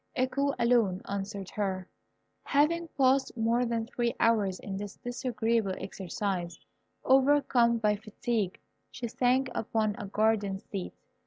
Echo alone answered her. Having passed more than three hours in this disagreeable exercise, overcome by fatigue, she sank upon a garden seat.